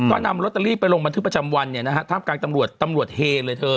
ก็นำลอตเตอรี่ไปลงบันทึกประจำวันเนี่ยนะฮะท่ามกลางตำรวจตำรวจเฮเลยเธอ